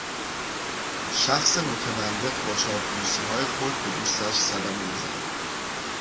شخص متملق با چاپلوسیهای خود به دوستش صدمه میزند